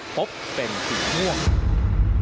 พบเป็นสิ่งนี้